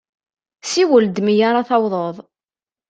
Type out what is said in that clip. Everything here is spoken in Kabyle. Siwel-d mi ara tawḍeḍ.